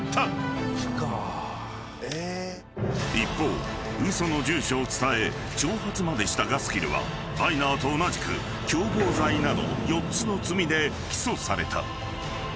［一方嘘の住所を伝え挑発までしたガスキルはバイナーと同じく共謀罪など４つの罪で起訴された］